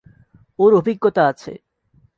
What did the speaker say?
ওর অভিজ্ঞতা আছে।